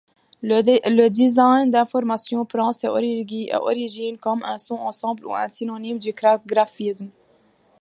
Le design d'information prend ses origines comme un sous-ensemble ou un synonyme du graphisme.